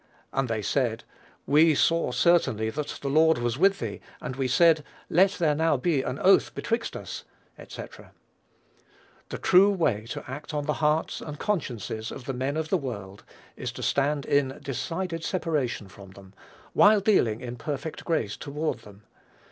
And they said, We saw certainly that the Lord was with thee: and we said, Let there now be an oath betwixt us," &c. The true way to act on the hearts and consciences of the men of the world is to stand in decided separation from them, while dealing in perfect grace toward them.